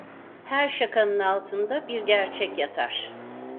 Her şakanın altında bir gerçek yatar.